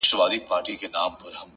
حقیقت تل پاتې وي,